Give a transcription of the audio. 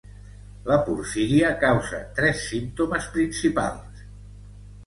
La porfíria causa tres símptomes principals.